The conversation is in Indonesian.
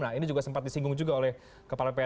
nah ini juga sempat disinggung juga oleh kepala pssi